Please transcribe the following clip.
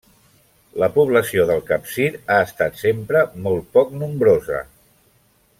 La població del Capcir ha estat sempre molt poc nombrosa.